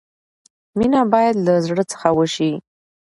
مینه باید لۀ زړۀ څخه وشي.